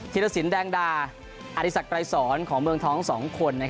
ธีรศิลป์แดงดาอธิสักตรายสอนของเมืองท้อง๒คน